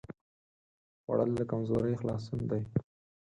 خوړل له کمزورۍ خلاصون دی